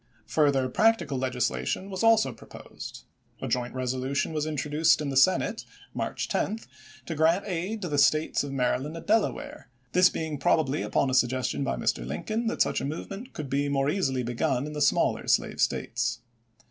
Further practical legislation was also pro posed. A joint resolution was introduced in the MISSOUKI GUERRILLAS AND POLITICS 395 Senate (March. 10) to grant aid to the States of ch. xviii. Maryland and Delaware, this being probably upon 1862. a suggestion by Mr. Lincoln that such a movement could be more easily begun in the smaller slave States.